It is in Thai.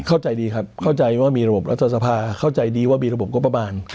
เข้าใจดีครับเข้าใจว่ามีระบบรัฐสภาเข้าใจดีว่ามีระบบงบประมาณ